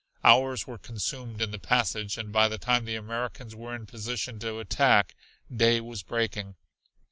Hours were consumed in the passage, and by the time the Americans were in position to attack, day was breaking.